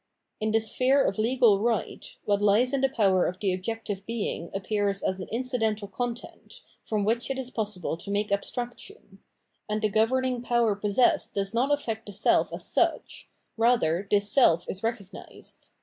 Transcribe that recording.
In the sphere of legal right, what lies in the power of the objective being appears as an incidental content, from which it is possible to make abstraction ; and the governing power possessed does not afiect the self as such; rather this seK is recognised.